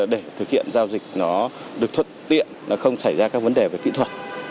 để thực hiện giao dịch nó được thuận tiện nó không xảy ra các vấn đề về kỹ thuật